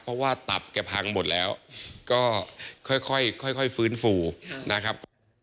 เพราะว่าตับแกพังหมดแล้วก็ค่อยฟื้นฟูนะครับ